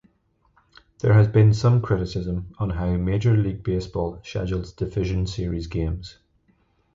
There has been some criticism on how Major League Baseball schedules Division Series games.